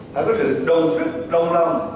phải có sự đồng chức đồng lòng